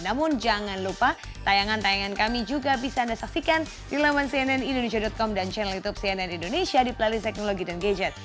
namun jangan lupa tayangan tayangan kami juga bisa anda saksikan di laman cnnindonesia com dan channel youtube cnn indonesia di playlist teknologi dan gadget